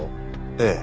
ええ。